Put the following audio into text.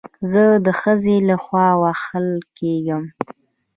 زه د ښځې له خوا وهل کېږم